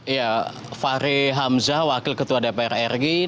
ya fahri hamzah wakil ketua dpr ri